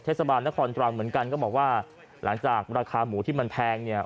เทศบาลนครตรังเหมือนกันก็บอกว่าหลังจากราคาหมูที่มันแพงเนี่ย